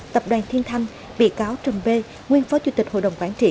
tập đoàn thiên thanh bị cáo trần bê nguyên phó chủ tịch hội đồng quản trị